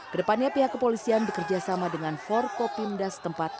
kedepannya pihak kepolisian bekerja sama dengan forkopimda setempat